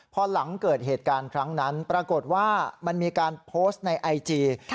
พอหลังเกิดเหตุการณ์ครั้งนั้นปรากฏว่ามันมีการโพสต์ในไอจี